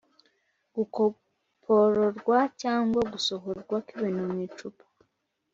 gukopororwa cyangwa gusohorwa kwibintu mwicupa